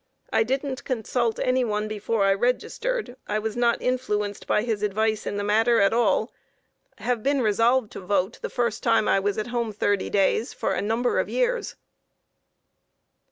I didn't consult any one before I registered. I was not influenced by his advice in the matter at all; have been resolved to vote, the first time I was at home 30 days, for a number of years."